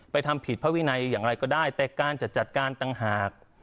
ทำผิดพระวินัยอย่างไรก็ได้แต่การจะจัดการต่างหาก